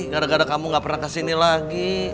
gara gara kamu gak pernah kesini lagi